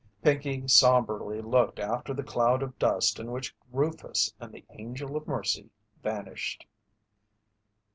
Pinkey sombrely looked after the cloud of dust in which Rufus and the Angel of Mercy vanished.